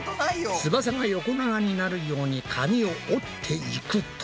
翼が横長になるように紙を折っていくと。